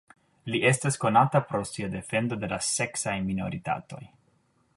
Li estas konata pro sia defendo de la seksaj minoritatoj.